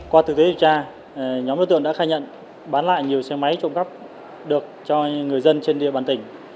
qua thực tế điều tra nhóm đối tượng đã khai nhận bán lại nhiều xe máy trộm cắp được cho người dân trên địa bàn tỉnh